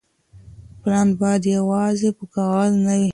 پلان بايد يوازي په کاغذ نه وي.